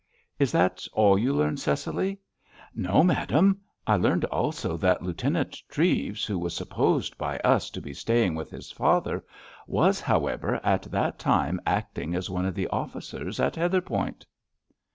"Is that all you learned, Cecily?" "No, madame. I learned also that Lieutenant Treves, who was supposed by us to be staying with his father, was, however, at that time acting as one of the officers at Heatherpoint."